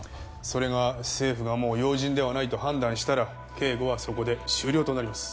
それが政府がもう要人ではないと判断したら警護はそこで終了となります。